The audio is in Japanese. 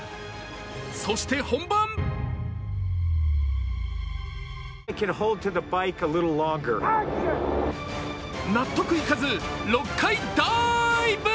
そして本番納得いかず６回ダーイブ！